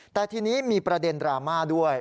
แต่ทีนี้มีประเด็นดราม่าด้วย